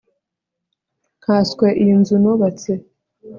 nkaswe iyi nzu nubatse